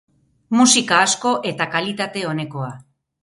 Musika asko eta kalitate onekoa.